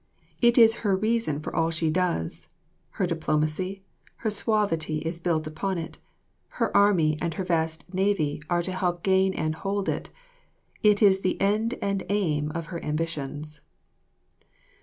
It is her reason for all she does; her diplomacy, her suavity is based upon it; her army and her vast navy are to help gain and hold it; it is the end and aim of her ambitions.